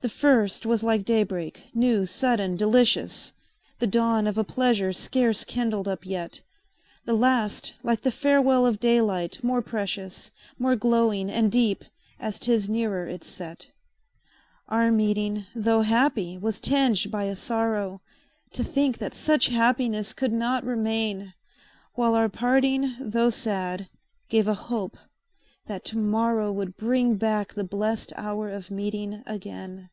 The first was like day break, new, sudden, delicious, The dawn of a pleasure scarce kindled up yet; The last like the farewell of daylight, more precious, More glowing and deep, as 'tis nearer its set. Our meeting, tho' happy, was tinged by a sorrow To think that such happiness could not remain; While our parting, tho' sad, gave a hope that to morrow Would bring back the blest hour of meeting again.